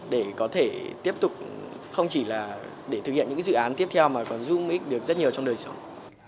để có thể tiếp tục không chỉ là để thực hiện những dự án tiếp theo mà còn giúp ích được rất nhiều trong đời sống